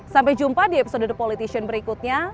sampai jumpa di episode the politician berikutnya